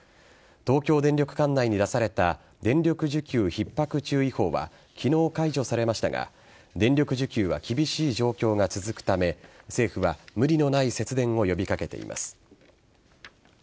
東京電力管内に出された電力需給ひっ迫注意報は昨日、解除されましたが電力需給は厳しい状況が続くため政府は無理のない節電を呼び掛けています。